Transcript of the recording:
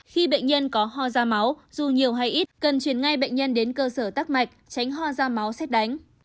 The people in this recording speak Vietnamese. khi bệnh nhân có hò da máu dù nhiều hay ít cần chuyển ngay bệnh nhân đến cơ sở tắc mạch tránh hò da máu xét đánh